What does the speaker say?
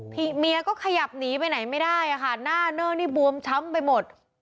เมียก็ขยับหนีไปไหนไม่ได้อะค่ะหน้าเนอร์นี่บวมช้ำไปหมด